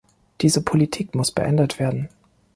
Diese Politik muss beendet werden.